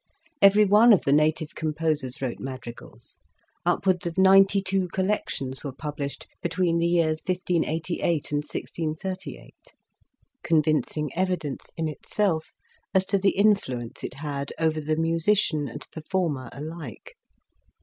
Every one of the native composers wrote madrigals, upwards of ninety two col lections were published between the years 1588 and 1638, convincing evidence in itself as to the influence it had over the musician and performer alike.